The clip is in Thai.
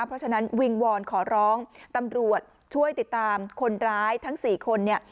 เพราะฉะนั้นวิงวอนขอร้องตำรวจช่วยติดตามคนร้ายทั้ง๔คนเนี่ย